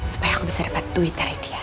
supaya aku bisa dapat duit dari dia